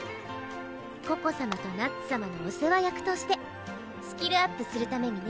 ココ様とナッツ様のお世話役としてスキルアップするためにね！